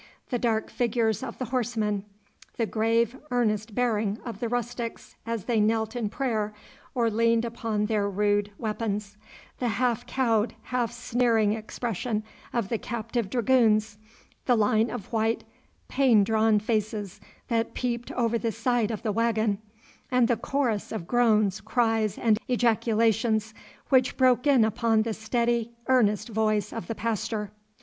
The dark figures of the horsemen, the grave, earnest bearing of the rustics as they knelt in prayer or leaned upon their rude weapons, the half cowed, half sneering expression of the captive dragoons, the line of white pain drawn faces that peeped over the side of the waggon, and the chorus of groans, cries, and ejaculations which broke in upon the steady earnest voice of the pastor.